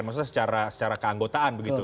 maksudnya secara keanggotaan